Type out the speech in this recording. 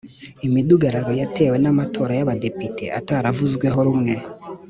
imidugararo yatewe n’amatora y’abadepite ataravuzweho rumwe